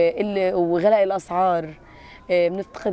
kita kehilangan teman teman kita